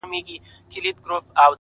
لا به په تا پسي توېږي اوښکي-